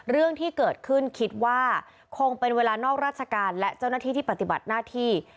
เรื่องที่เกิดขึ้นคิดว่าคงเป็นเวลานอกราชการและเจ้าหน้าที่ที่ปฏิบัติหน้าที่